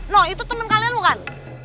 no itu temen kalian bukan